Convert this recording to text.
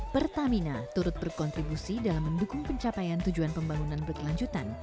pertamina turut berkontribusi dalam mendukung pencapaian tujuan pembangunan berkelanjutan